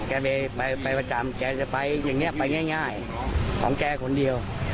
แกไปประจำแกจะไปอย่างนี้ไปง่ายของแกคนเดียว